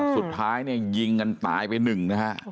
สุดท้ายยิงกันตายไปหนึ่ง